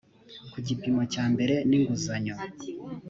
ku gipimo cya mbere n inguzanyo